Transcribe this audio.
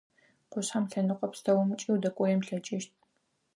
Къушъхьэм лъэныкъо пстэумкӏи удэкӏоен плъэкӏыщт.